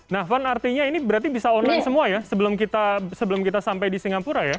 nah van artinya ini berarti bisa online semua ya sebelum kita sampai di singapura ya